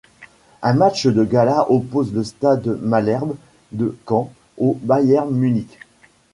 Un match de gala oppose le Stade Malherbe de Caen au Bayern Munich.